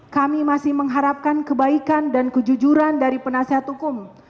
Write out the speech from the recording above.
kami masih mengharapkan kebaikan dan kejujuran dari penasihat hukum